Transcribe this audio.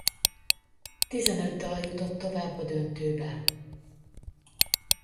Tizenöt dal jutott tovább a döntőbe.